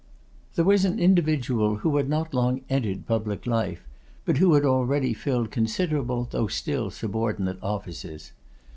There was an individual who had not long entered public life, but who had already filled considerable, though still subordinate offices.